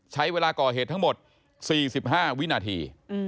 ใช้เวลาก่อเหตุทั้งหมด๔๕วินาที